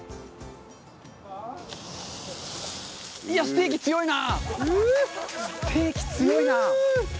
ステーキ強いな。